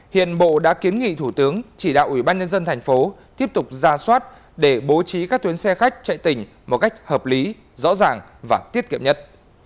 hiện bộ đã kiến nghị thủ tướng chỉ đạo ủy ban nhân dân thành phố tiếp tục ra soát để bố trí các tuyến xe khách chạy tỉnh một cách hợp lý rõ ràng và tiết kiệm nhất